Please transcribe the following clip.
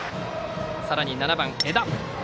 さらに７番の江田。